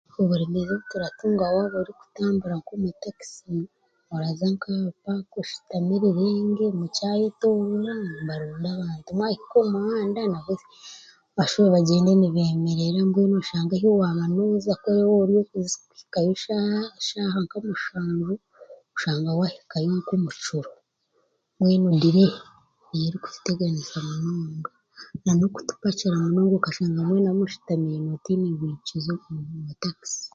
Oburemeezi obu turatunga waaba orikutambura nk'omu takisi oraza nkomu paaka oshutame rirenge mukyayetooroora nibaronda abantu mwahika omu muhanda nabwe bashube bagyende nibeemerera mbwenu oshange ahi waaba nooza ku oraabe waaba ori owokuhikayo shaaha nka mushanju oshanga waahikayo nk'omu kiro mbwenu diree niyo erikututeganiisa munonga nanokutupakira munonga okashanga mwena mushutamiriine otaine bwikizo omu takisi